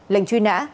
lệnh truy nã